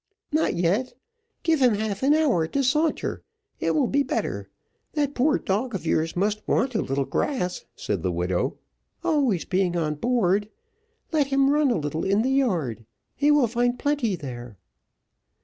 "Not yet, not yet give him half an hour to saunter, it will be better. That poor dog of yours must want a little grass," said the widow, "always being on board. Let him run a little in the yard, he will find plenty there."